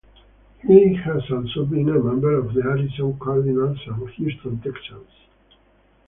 He has also been a member of the Arizona Cardinals and Houston Texans.